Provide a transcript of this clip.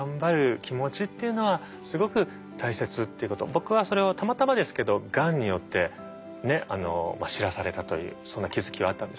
僕はそれをたまたまですけどがんによって知らされたというそんな気付きはあったんですよね。